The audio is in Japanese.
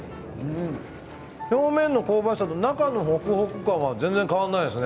表面の香ばしさと中のほくほく感が全然変わらないですね。